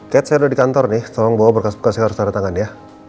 cat saya udah di kantor nih tolong bawa berkas berkas saya harus tanda tangan ya